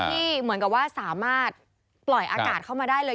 ที่เหมือนกับว่าสามารถปล่อยอากาศเข้ามาได้เลย